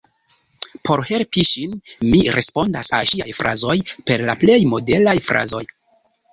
Por helpi ŝin, mi respondas al ŝiaj frazoj per la plej modelaj frazoj.